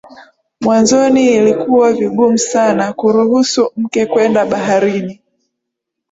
Mwanzoni ilikuwa vigumu sana kuruhusu mke kwenda baharini